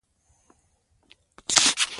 مور د ماشومانو د خوارځواکۍ مخه نیسي.